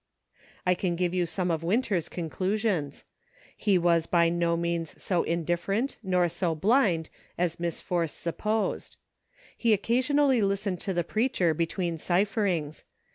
I can give you some of Winter's conclusions ; he was by no means so indifferent nor so blind as Miss Force supposed. He occasionally listened to the preacher between cipherings.